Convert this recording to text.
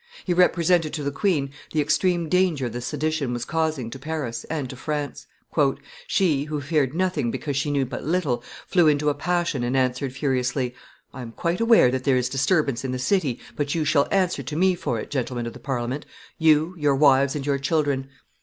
He represented to the queen the extreme danger the sedition was causing to Paris and to France. "She, who feared nothing because she knew but little, flew into a passion and answered, furiously, 'I am quite aware that there is disturbance in the city, but you shall answer to me for it, gentlemen of the Parliament, you, your wives, and your children.